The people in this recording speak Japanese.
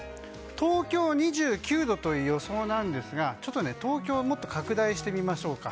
東京、２９度という予想ですがちょっと東京をもっと拡大してみましょうか。